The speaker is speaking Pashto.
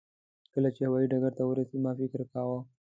کله چې هوایي ډګر ته ورسېدو ما فکر کاوه.